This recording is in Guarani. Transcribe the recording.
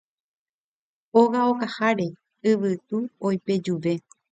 Óga okaháre Yvytu oipejuve